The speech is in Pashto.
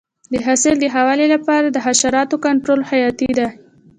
د حاصل د ښه والي لپاره د حشراتو کنټرول حیاتي دی.